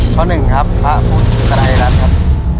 ข้อ๑ครับพระพุทธไตรรัตค์ครับ